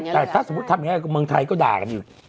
แต่ถ้าสมมุติทำอย่างไรเมืองไทยก็ด่ากัน